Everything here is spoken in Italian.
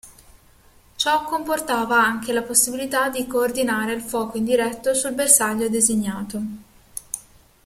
Ciò comportava anche la possibilità di coordinare il fuoco indiretto sul bersaglio designato.